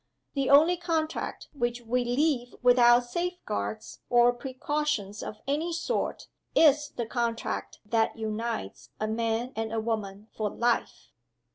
The only contract which we leave without safeguards or precautions of any sort is the contract that unites a man and a woman for life.